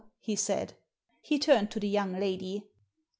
'* he said He turned to the young lady.